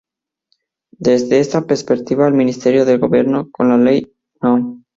Desde esta perspectiva el Ministerio de Gobierno con la Ley No.